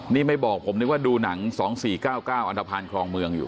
นี่ไม่บอกผมนึกว่าดูหนังสองสี่เก้าเก้าอันตภัณฑ์ครองเมืองอยู่